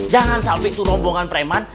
jangan sampai itu rombongan preman